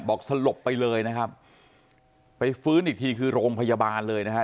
สลบไปเลยนะครับไปฟื้นอีกทีคือโรงพยาบาลเลยนะฮะ